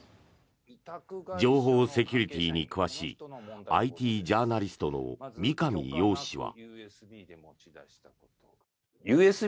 情報セキュリティーに詳しいＩＴジャーナリストの三上洋氏は。